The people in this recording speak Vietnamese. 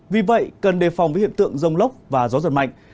vì vậy cần đề phòng với hiện tượng rông lốc và gió giật mạnh